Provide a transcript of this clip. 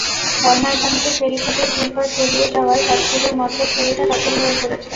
বন্যার পানিতে ফেরিঘাটের দুই পাড় তলিয়ে যাওয়ায় চাঁদপুরের মতলব ফেরিঘাট অচল হয়ে পড়েছে।